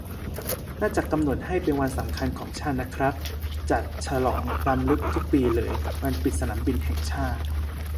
น่าจะกำหนดให้เป็นวันสำคัญของชาตินะครับ จัดฉลองรำลึกทุกปีเลย วันปิดสนามบินแห่งชาติ